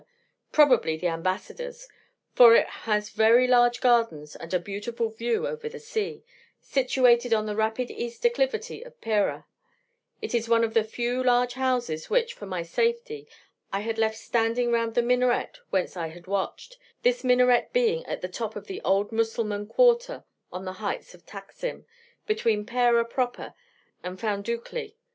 probably the Ambassador's, for it has very large gardens and a beautiful view over the sea, situated on the rapid east declivity of Pera; it is one of the few large houses which, for my safety, I had left standing round the minaret whence I had watched, this minaret being at the top of the old Mussulman quarter on the heights of Taxim, between Pera proper and Foundoucli.